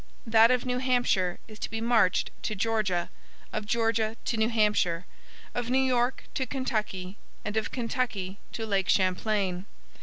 That of New Hampshire is to be marched to Georgia, of Georgia to New Hampshire, of New York to Kentucky, and of Kentucky to Lake Champlain.